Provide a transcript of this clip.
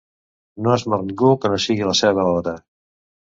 No es mor ningú que no sigui la seva hora.